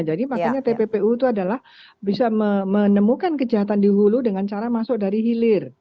jadi makanya tppu itu adalah bisa menemukan kejahatan di hulu dengan cara masuk dari hilir